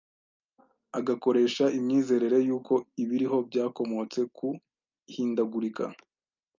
agakoresha imyizerere y’uko ibiriho byakomotse ku ihindagurika,